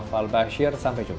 fahlbashir sampai jumpa